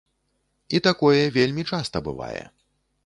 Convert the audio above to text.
І такое вельмі часта бывае.